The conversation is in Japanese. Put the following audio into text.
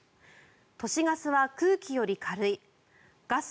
都市ガスは空気より軽いガス